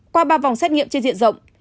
qua ba vòng xét nghiệm trên diện rộng